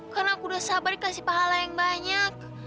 karena aku udah sabar dikasih pahala yang banyak